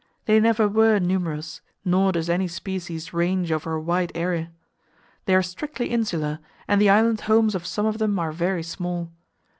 They never were numerous; nor does any species range over a wide area. They are strictly insular, and the island homes of some of them are very small.